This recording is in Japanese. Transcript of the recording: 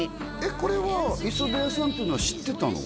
これはいそべやさんっていうのは知ってたの？